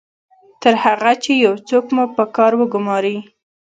تر هغه چې یو څوک مو په کار وګماري